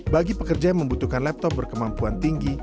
bagi pekerja yang membutuhkan laptop berkemampuan tinggi